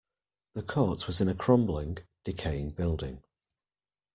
The court was in a crumbling, decaying building.